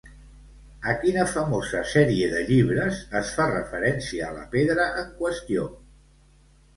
A quina famosa sèrie de llibres es fa referència a la pedra en qüestió?